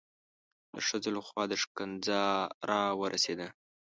د ښځو لخوا دا ښکنځا را ورسېده.